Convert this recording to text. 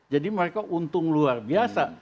jadi mereka untung luar biasa